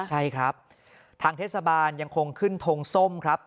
ใช่ครับทางเทศบาลยังคงขึ้นทงส้มครับ